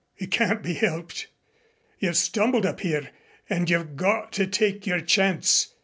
It can't be helped. You've stumbled up here and you've got to take your chance.